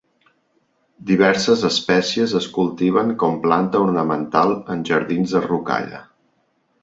Diverses espècies es cultiven com planta ornamental en jardins de rocalla.